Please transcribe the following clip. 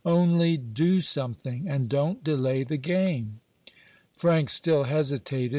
Only do something, and don't delay the game." Frank still hesitated.